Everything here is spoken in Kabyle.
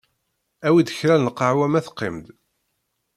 Awi-d kra n lqahwa ma teqqim-d.